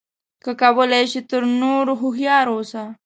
که کولای شې تر نورو هوښیار اوسه.